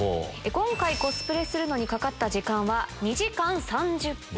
今回コスプレにかかった時間は２時間３０分。